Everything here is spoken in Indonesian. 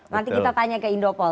nanti kita tanya ke indopol